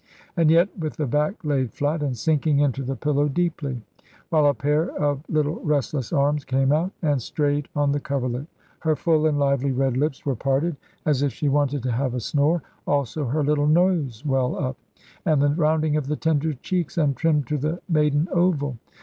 And yet with the back laid flat, and sinking into the pillow deeply; while a pair of little restless arms came out and strayed on the coverlet. Her full and lively red lips were parted, as if she wanted to have a snore, also her little nose well up, and the rounding of the tender cheeks untrimmed to the maiden oval.